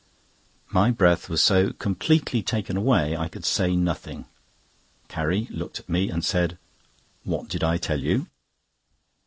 My breath was so completely taken away, I could say nothing. Carrie looked at me, and said: "What did I tell you?"